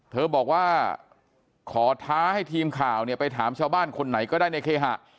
เธอบอกว่าขอท้าให้ทีมข่าวเนี่ยไปถามชาวบ้านคนไหนก็ได้ในเคหะ